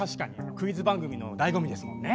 クイズ番組の醍醐味ですもんね。